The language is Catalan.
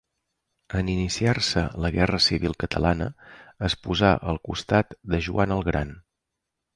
En iniciar-se la Guerra civil catalana, es posà al costat de Joan el Gran.